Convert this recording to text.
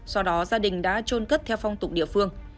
sau đó gia đình đã trôn cất theo phong tục địa phương